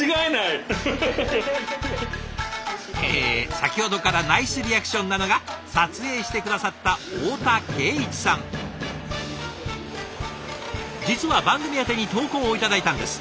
先ほどからナイスリアクションなのが実は番組宛に投稿を頂いたんです。